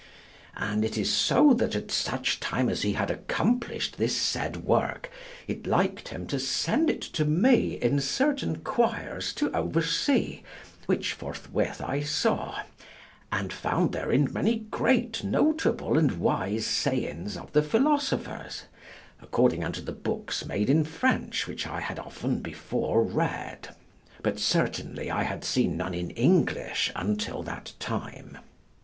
And it is so that at such time as he had accomplished this said work, it liked him to send it to me in certain quires to oversee, which forthwith I saw, and found therein many great, notable, and wise sayings of the philosophers, according unto the books made in French which I had often before read; but certainly I had seen none in English until that time.